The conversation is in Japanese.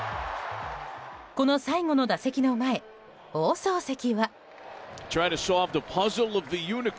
この最後の打席の前放送席は。